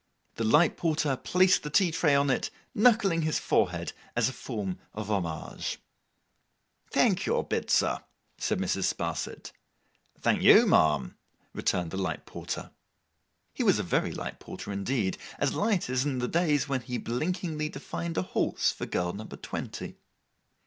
The light porter placed the tea tray on it, knuckling his forehead as a form of homage. 'Thank you, Bitzer,' said Mrs. Sparsit. 'Thank you, ma'am,' returned the light porter. He was a very light porter indeed; as light as in the days when he blinkingly defined a horse, for girl number twenty.